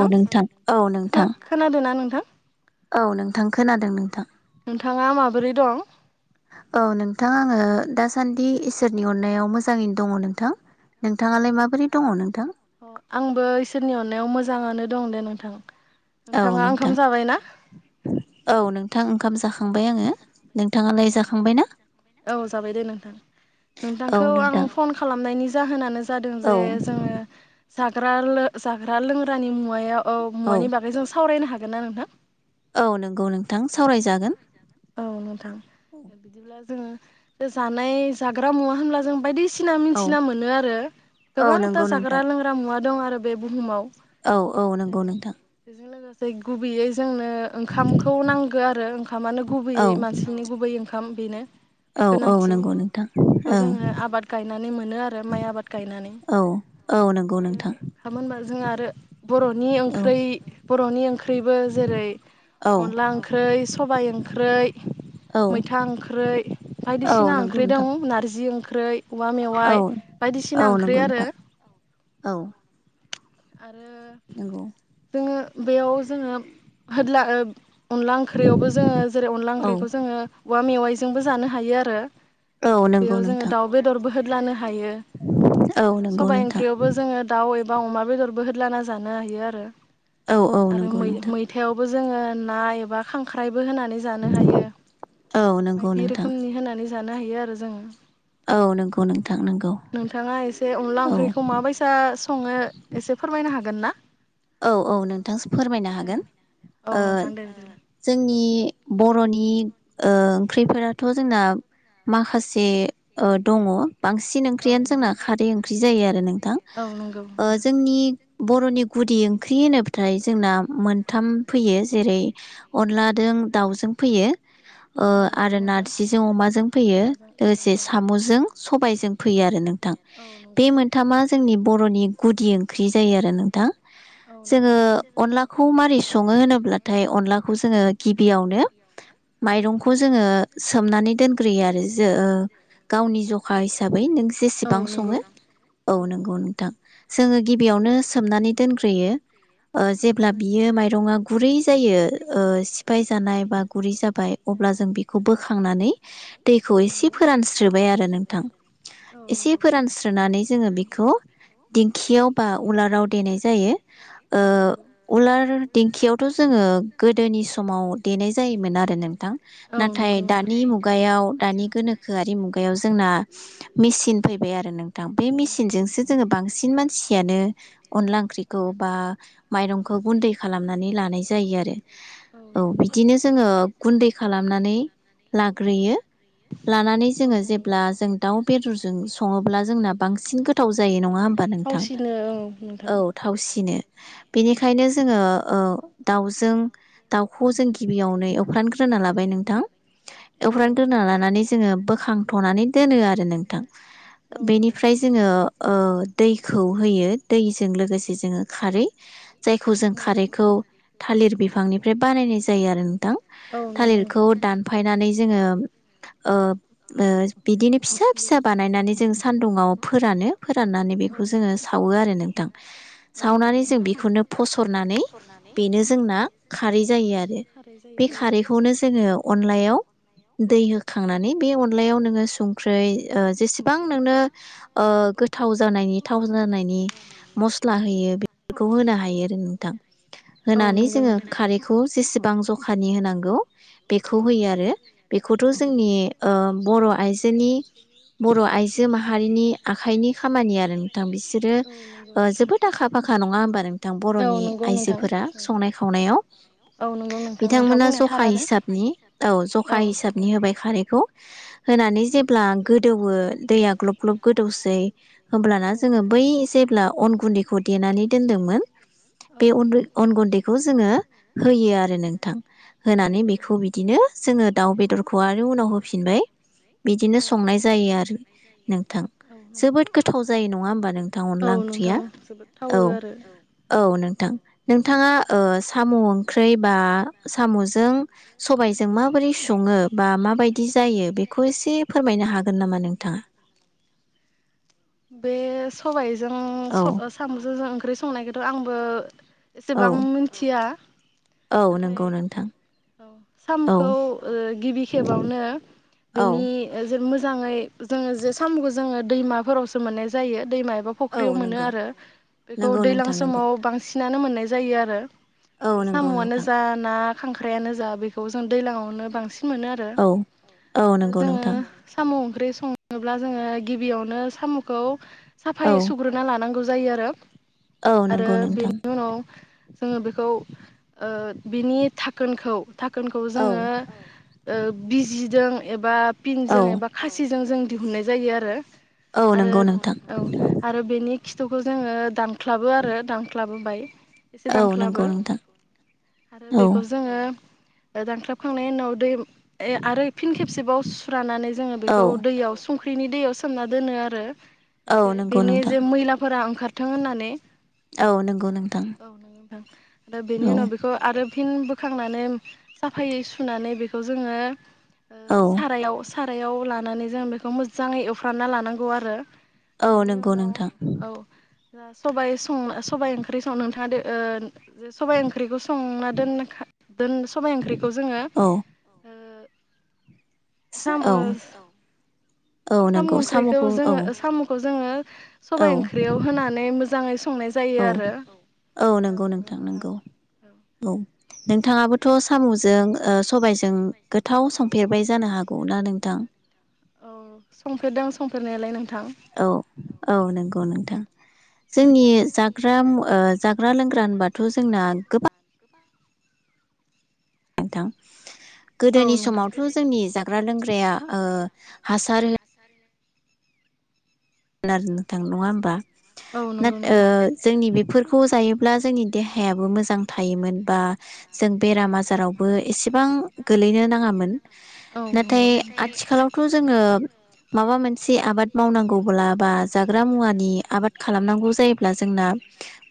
औ नोंथां औ नोंथां खोनादोंना नोंथां औ नोंथां खोनादों नोंथां नोंथाङा माबोरै दं औ नोंथां आङो दासान्दि इसोरनि अननायाव मोजाङैनो दङ' नोंथां नोंथाङालाय माबोरै दङ नोंथां [unintelligible] आंबो इसोरनि अननायाव मोजां मोजाङानो दं दे नोंथां औ नोंथाङा नोंथां ओंखाम जाबायना? औ नोंथां ओंखाम जाखांबाय आङो औ नोंथाङालाय नोंथां जाखांबाय ना औ जाबाय दे नोंथां। औ नोंथांखौ आं नोंथां फन खालामनायनि जाहोनानो जादों औ जे जोङो जाग्रा लो जाग्रा लोंग्रानि मुं मुवायाव औ मुवानि बागै जों सावरायनो हा हागोन ना नोंथां? औ नंगौ नोंथां सावरायजागोन औ नोंथां बिदिब्ला जोङो जानाय जाग्रा मुवा होनब्ला जों बायदि सिना औ मिनथिना मोनो आरो औ नंगौ गोबांता नोंथां जाग्रा-लोंग्रा मुवा दं आरो बे बुहुमाव औ औ नोंगौ ओरै नोंथां [unintelligible] गुबैयै जोंनो ओंखामखौ नांगौ गो आरो खामानो औ गुबैयै मानसिनि गुबै ओंखाम ओंखाम बेनो औ औ गोनांथि नंगौ नोंथां बेखौ ओं जोङो आबाद गायनानै मोनो आरो माइ आबाद गायनानै औ औ नंगौ आरो नोंथां ओंखामोनबा जोंहा [inaudible] बर'नि औ ओंख्रै बर'नि ओंखार ओंख्रिबो जेरै औ अनदला ओंख्रि सबाइ ओंख्रै औ मैथा ओंख्रै औ बायदिसिना नंगौ ओंख्रै दं नोंथां नारजि ओं ख्रै औवा मेवाइ औ औ बायदिसिना ओंख्रि नंगौ नोंथां आरो औ आरो नंगौ जोङो बेयाव जोङो होदला अनला ओंख्रियावबो जोङो जेरै अनला औ ओंख्रिखौ जोङो औवा मेवाइजोंबो जानो हायो आरो। औ नंगौ बेयाव जोङो नोंथां दाउ बेदरबो होदलानो हायो। औ नंगौ सबाय नोंथां ओंख्रि रावबो जोङो दाउ बा अमा बेदर बो होदलाना जानो हायो आरो। औ औ आरोै नंगौ नोंथां मैथायाव जोङो ना एबा खांख्राइ बो होनानै जानो हायो। औ नंगौ बायदि नोंथां रोखोमनि होनानै जानो हायो आरो जोङो औ नंगौ नोंथां नंगौ नोंथाङा एसे अनला औ ओंख्रिखौ माबायसा सङो एसे फोरमायनो हागोन ना? औ औ नोंथां फोरमायनो हागोन। औ ओ नोंथां दे बिदिब्ला जोंनि बर'नि ओंख्रिफोराथ' जोंना माखासे दङ बांसिन ओंख्रियानो जोंना खारै ओंख्रि जायो आरो नोंथां अनला जोंनि बर'नि गुदि ओंख्रि होनोब्लाथाय जोंना मोनथाम फैयो जेरै अनलाजों दाउजों फैयो ओ आरो नारजिजों अमाजों फैयो लोगोसे साम'जों सबायजों फैयो आरो नोंथां बे नोंथां मोनथामा जोंनि बर'नि गुदि ओंख्रि जायो आरो नोंथां जोङो अनलाखौ मारै सङो होनोब्लाथाय अनलाखौ जोङो गिबियावनो गिबियावनो खौ जोङो सोमनानै दोनग्रोयो आरो जो गावनि जखा हिसा [unintelligible] बेसेबां जेसेबां सङो औ नंगौ नोंथां जोङो गिबियावनो सोमनानै दोनग्रोयो जेब्ला बियो माइरङा गुरै जायो सिफाय जानाय बा गुरै जाबाय अब्ला जों बेखौ बोखांनानै दैखौ एसे फोरानस्रोबाय आरो नोंथां एसे नंगौ फोरानस्रोनानै जोङो बेखौ दिंखियाव बा उलाराव देनाय जायो औ जायो नंगौ उलार दिंखियावथ' जोङो गोदोनि समाव देनाय जायोमोन आरो नोंथां औ नाथाय नंगौ दानि मुगायाव दानि गोनोखोआरि मुगायाव जोंना मेसिन फैबाय आरो नोंथां बे नोंथां मेसिनजोंसो जोङो बांसिन मानसि यानो अनला ओं खौ बा माइरंखौ गुन्दै खालामनानै लानाय जायो आरो औ बिदिनो जोङो गुन्दै खालामनानै लाग्रोयो लानानै जोङो जेब्ला जों दाउ बेदरजों सङोब्ला जोंना बांसिन गोथाव जायो नङा होमबा नोंथां [unintelligible] नोंथां सिनो बेनिखायनो जोङो दाउजों दाउखौ जों गिबियावनो एवफ्रानग्रोना लाबाय नोंथां औ नंगौ एवफ्रानग्रोना नोंथां लानानै जोङो बोखांथ'नानै दोनो आरो नोंथां नोंथां औ नंगौ बेनिफ्राय जोङो ओ दैखौ होयो दैजों लोगोसे जोङो खारै जायखौ जों औ नंगौ खारैखौ थालिर बिफांनिफ्राय बानायनाय जायो आरो नोंथां औ नंगौ थालिरखौ नोंथां दानफायनानै जोङो ओ बिदिनो फिसा फिसा बानायनानै जों सानदुङाव फोरानो फोराननानै बेखौ जोङो सावो आरो नोंथां आरो सावनानै नोंथां जों बेखौनो फसरनानै बेनो जोंना खारै जायो आरो जायो बे आरो खारैखौनो जोङो अनलायाव दै होखांनानै बे अनलायाव नोङो संख्रै जेसेबां नोंनो ओ गोथाव जानायनि थाव जानायनि मस मस्ला होयो बेखौ होनो हायो नोंथां औ होनानै नंगौ जोङो नोंथां। खारैखौ जेसेबां जखानि होनांगौ बेखौ होयो आरो बेखौथ' औ जोंनि नंगौ। ओ बर' आइजोनि बर' आइजो माहारिनि आखाइनि खामानि आरो नोंथां बिसोरो औ नंगौ नोंथां। जोबोद आखा फाखा नङा होमबा नोंथां बर'नि नोंथां आइजोफोरा संनाय खावनायाव बिथांमोना जखा हिसाबनि औ जखा हिसाबनि होबाय खारैखौ होनानै जेब्ला गोदौवो दैया ग्लब ग्लब गोदौसै होमब्लाना जोङो बै जेब्ला अन गुन्दैखौ खौ देनानै दोनदोंमोन दोनदोंमोन अन गुन्दैखौ जोङो होयो आरो नोंथां औ औ होनानै बेखौ बिदिनो जोङो दाउ बेदरखौ आरो उनाव होफिनबाय बि बिदिनो औ। संनाय जायो आरो नोंथां औ नंगौ जोबोद गोथाव जायो नङा होमबा नोंथां औ अनला ओंख्रिया नोंथां जोबोद औ थावो आरो - औ नोंथां नोंथाङा साम' ओंख्रि बा साम'जों सबायजों माबोरै सङो बा माबायदि जायो बेखौ एसे फो फोरमायनो हागोन नामा नोंथाङा बे सबाय जों औ सामुजों जों ओंख्रि संनाय आंबो औ एसेबां मिथिया औ नाथाय नंगौ नोंथां औ औ सामखौ गिबि खेबावनो औ बेनि जो मोजाङै जोङो जे सामुखौ जोङो दैमाफोरावसो मोननाय जायो दैमा बा औ फख्रियाव मोनो नंगौ आरो बेखौ नंगौ दैलां नोंथां नंगौ समाव बांसि सिनानो मोननाय जायो आरो औ नंगौ साम'आनो नोंथां जा ना खांख्रायानो जा बेखौ जों दैलाङावनो बांसि औ औ नंगौ नोंथां साम' ओंख्रि सङोब्ला जोङो गिबियावनो साम'खौ औ साफायै सुग्रोना लानांगौ जायो आरो औ आरो नंगौ नोंथां बेनि उनाव जोङो बेखौ ओ बिनि थाखोनखौ थाखोनखौ औ जोङो ओ बिजिदों एबा औ फिनजों एबा खासि जों जों दिहुननाय जायो आरो औ नंगौ नोंथां आरो औ आरो बेनि खिथुखौ जोङो दानख्लाबो आरो दानख्लाबो बाय एसे औ दांख्लाबो नंगौ नोंथां आरो औ बेखौ जोङो दानख्लाबखांनायनि उनाव दै ए आरो फिन खेबसेबाव फ्रानानै जोङो बेखौ औ दैयाव संख्रि ख्रिनि दैयाव सोमना दोनो आरो औ एसे नंगौ बेनि नोंथां जे मैलाफोरा ओंखार थों होननानै औ नंगौ नोंथां ओं दा औ बेनि उनाव बेखौ आरो फिन बोखांनानै साफायै सुनानै बेखौ जोङो ओ औ सारायाव सारायाव लानानै जों बेखौ मोजाङै एवफ्रामना लानांगौ आरो औ नंगौ नोंथां दा सबाइ सं सबाइ ओंख्रि सं नोंथाङा दो ओ जे सबाइ ओंख्रिखौ संना दोननाखा दोन सबाइ ओंख्रिखौ जोङो ओ औ साम औ ओ औ साम' नंगौ ओंख्रिखौ साम'खौ औ जोङो साम'खौ जोङो औ सबाइ ओंख्रियाव होनानै मोजां जाङै औ औ नंगौ नोंथां नंगौ औ नोंथाङाबोथ सामजों सबायजों गोथाव संफेरबाय जानो हागौना नोंथां औ संफेरदों संफेरनायालाय नों औ औ नंगौ नों थां जोंनि जाग्रा ओ जाग्रा लोंग्रा होनबाथ जोंना गोबां नोंथां औ औ गोदोनि नोंथां समावथ गोदोनि जोंनि समावथ' जाग्रा लोंग्राया ओ हासार खोनादो नोथां नङा होनबा ओ औ नंगौ नोंथां जोंनि बेफोरखौ जायोब्ला जोंनि देहायाबो मोजां थायोमोन बा जों बेराम आजारावबो एसेबां गोलैनो नाङामोन औ नाथाय नंगौ नोंथां आथिखालावथ थ' जोङो माबा मोनसे आबाद मावनांगौ बा जाग्रा मुवानि खालामनांगौ जायोब्ला जोंना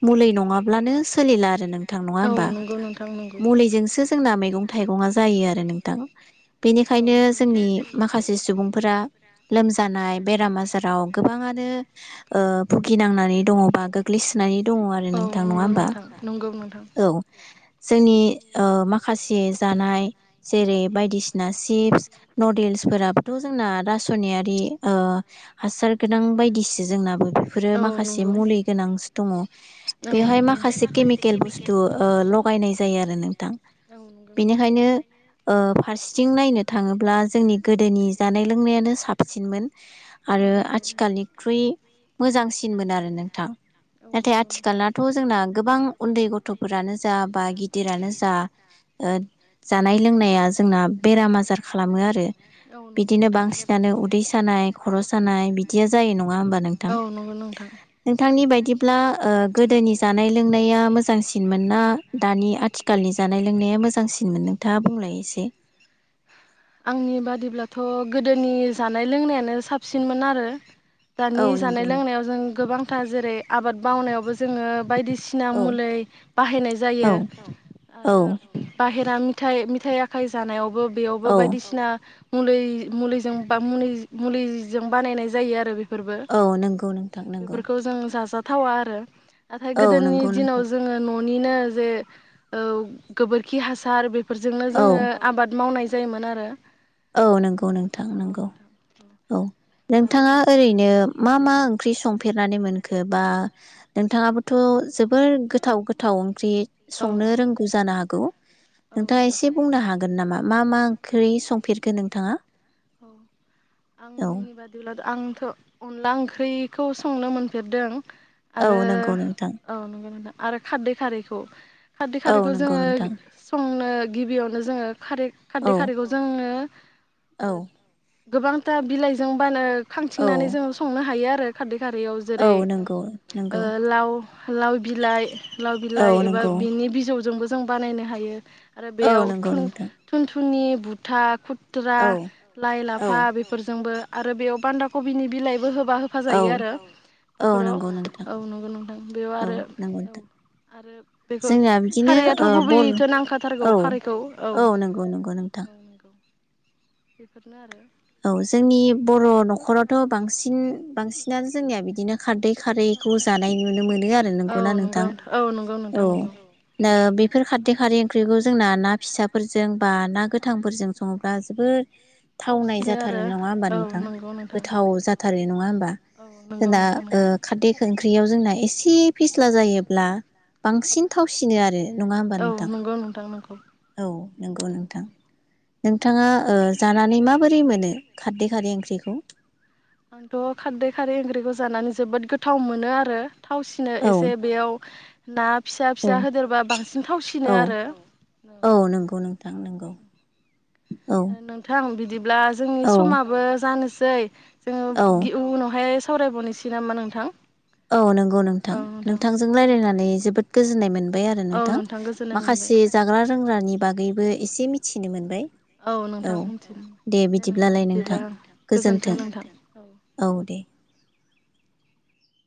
मुलि नङाब्लानो सोलिला आरो नोंथां नङा औ होमबा? नंगौ नोंथां नंगौ मुलिजोंसो जोंना मैगं थाइगंङा जायो आरो नोंथां औ बेनिखायनो नंगौ जोंनि नोंथां माखासे सुबुंफोरा लोमजानाय बेरामा गोबाङानो ओ भुगिनांनानै दङ बा गोग्लैसोनानै दङ आरो नोंथां नङा होमबा? औ जोंनि ओ माखासे जानाय जेरै बायदिसिना चिप्स नुडोल्सफोराबोथ जोंना रासायनारि ओ हासार गोनां बायदिसो जोंनाबो बेफरो माखासे मुलि गोनां दङ दङ बेवहाय माखासे केमिकेल बुस्थु लगायनाय जायो आरो नोंथां आरो नोंथां बेनिखायनो फारसेथिं नायनो थाङोब्ला जोंनि गोदोनि जानाय लोंनायानो साबसिनमोन आरो आथिखालनिख्रुइ मोजां मोन आरो नोंथां नाथाय आथिखालनाथ जोंना गोबां उनदै गथ'फोरानो जा बा गिदिरानो जा जानाय लोंनाया जोंना बेराम आजार खालामो आरो बिदिनो बांसिनानो उदै सानाय खर' सानाय बिदिया जायो नङा हबा नोंथां होमबा नोंथां नोंथांनि बायदिब्ला ओ गोदोनि जानाय लोंनाया मोजांसिनमोन ना दानि आथिखालनि जानाय लोंनाया मोजांसिन? आंनि बादिब्ला ओ गोदोनि जानाय लोंनायानो साबसिनमोन आरो औ दानि नंगौ जानाय नोंथां लोंनायाव गोबांथार जेरै आबाद मावनायाव जोङो बायदिसि सिना औ मुलै बाहायनाय जायो औ आरो औ बाहे मिथाइ मिथाइ आखाइ जानायाव बो बेयावबो औ बायदिसिना मुलै मुलैजों बा मुलिजों बानायनाय जायो आरो बे औ नंगौ नोथां बेफोरखौ जोङो जाजाथावा आरो नाथाय औ गोदोनि नंगौ दिनाव नोंथां जोङो न' निनो जेरै औ गोबोरखि हासार बे फोरजोंनो औ जोङो आबाद मावनाय जायोमोन आरो औ नंगौ नोंथां नंगौ औ आरो नोंथाङा ओरैनो मा मा मा ओंख्रि संफेरनानै मोनखो बा नोंथाङाबोथ' जोबोर गोथाव गोथाव ओंख्रि संनो रोंगौ जानो हागौ हागौ नोंथाङा एसे बुंनो हागोन नामा मा मा ओंख्रै संफेर नोंथाङा औ औ आंनि बादिब्ला आंथ' अनला ओंख्रिखौ संनो मोनफेरदों औ आरो नंगौ नोंथां औ नंगौन दा आरो खारदै खारैखौ खारदै औ खारैखौ नंगौ जोङो नोंथां संनो गिबियावनो जोङो खारै औ खारदै खारैखौ जोङो औ ओ गोबांथा बिलाइजों बानो औ खांथिंनानै जोङो संनो हायो आरो खारदै खारैयाव औ जेरै नंगौ नंगौ बिलाइ लाव औ बिलाइ एबा नंगौ बिनि बिजौजोंबो जों बानायनो हायो आरो औ बेयाव नंगौ थुन नोंथां थुन थुनि बुथा खु खुथ्रा औ लाइ लाफा औ बेफोरजोंबो आरो बेयाव बान्दा कबिनि बिलाइबो होब हाबा होफ जायो औ आरो औ बेफोराव नंगौ नोंथां औ नंगौ नोथां बेयाव आरो नंगौ औ नोंथां आरो बेखौ जोंना बिदिनो खारैयाथ' ओ बर गुबैयैथो नांखाथारगौ औ खारैखौ औ नंगौ नंगौ नोंथां औ नंगौ बेफोरनो आरो औ जोंनि बर' न'खरावथ' बांसिन बिदि बांसिनानो जोंनिया बिदिनो खारदै खारैखौ जानाय नुनो मोनो नोंगौना नोंथां आरो औ नो बेफोर खारदै खारै ओंख्रिखौ जोंना ना फिसाफोरजों बा ना गोथांफोरजों सङोब्ला जोबोद थावनाय थावसिनो आरो जाथारो नङा होमबा नोंथां गोथाव जा थारै नङा होम जोंना ओ खारदै ओंख्रियाव जोंना एसे फिस्ला जायोब्ला बांसिन थावसिनो आरो नङा होमबा औ नोंथां नंगौ नोंथां नंगौ औ नंगौ नोंथां नोंथाङा ओ जानानै माबोरै मोनो खारदै खारै ओंख्रिखौ आंथ' खारदै खारै ओंख्रिखौ जानानै जोबोद गोथाव मोनो आरो थावसिनो औ एसे बेयाव ना फिसा औ फिसा होदेरबा बांसिन थावसिनो औ आरो औ नंगौ नोंथां नंगौ औ नोंथां बिदि ब्ला जोंनि औ समाबो जानोसै सेै औ जोङो उनावहाय सावरायबावनोसै नामा नोंथां औ नंगौ नोंथां औ नंगौ नोंथां दे जोबोद नोंथांजों रायज्लायनानै जोबोद गोजोननाय मोनबाय आरो औ नोंथां गोजोननाय मोनबाय आरो माखासे जाग्रा रोंग्रानि बागैबो एसे मिथिनो मोनबाय औ नोंथां मिथिनो दे नोंथां बिदिब्ला आं गोजोन्थों नोंथां औ दे